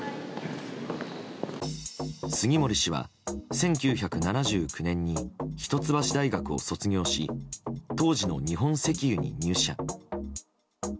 杉森氏は１９７９年に一橋大学を卒業し当時の日本石油に入社。